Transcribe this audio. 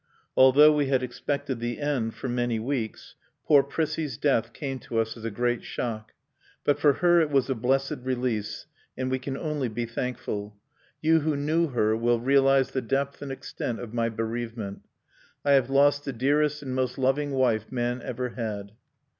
Although we had expected the end for many weeks poor Prissie's death came to us as a great shock. But for her it was a blessed release, and we can only be thankful. You who knew her will realize the depth and extent of my bereavement. I have lost the dearest and most loving wife man ever had...."